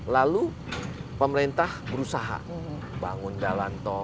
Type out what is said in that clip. lalu pemerintah berusaha bangun dalanto